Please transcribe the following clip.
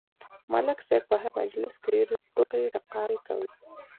ملک صاحب په هر مجلس کې ډېرې ټوقې ټکالې کوي.